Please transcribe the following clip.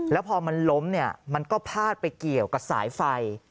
แล้วพอมันล้มเนี่ยมันก็พาดไปเกี่ยวกับสายไฟ